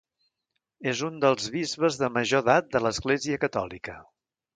És un dels bisbes de major edat de l'Església Catòlica.